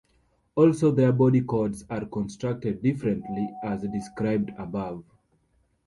Also, their body cords are constructed differently as described above.